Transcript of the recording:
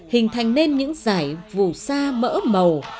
hình thành nên những giải vù sa mỡ màu